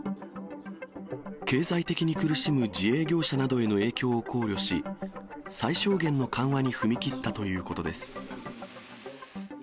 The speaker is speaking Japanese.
経済的に苦しむ自営業者などの影響を考慮し、最小限の緩和に踏み切ったということです。